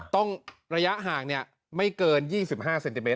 ต้องระยะห่างเนี่ยไม่เกิน๒๕เซนติเมตร